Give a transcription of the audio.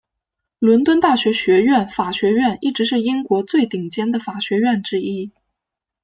伦敦大学学院法学院一直是英国最顶尖的法学院之一。